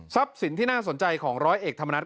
สินที่น่าสนใจของร้อยเอกธรรมนัฐ